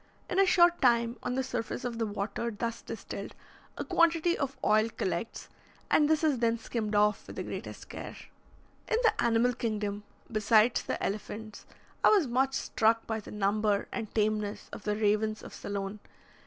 In a short time, on the surface of the water thus distilled a quantity of oil collects, and this is then skimmed off with the greatest care. In the animal kingdom, besides the elephants, I was much struck by the number and tameness of the ravens of Ceylon.